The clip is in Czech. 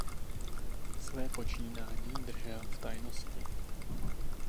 Své počínání držel v tajnosti.